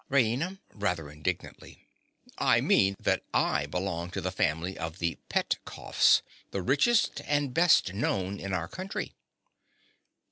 RAINA. (rather indignantly). I mean that I belong to the family of the Petkoffs, the richest and best known in our country.